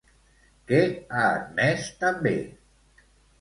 Què ha admès també?